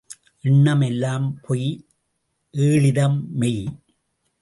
எண்ணம் எல்லாம் பொய் ஏளிதம் மெய்.